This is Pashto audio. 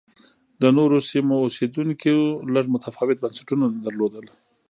د نورو سیمو اوسېدونکو لږ متفاوت بنسټونه لرل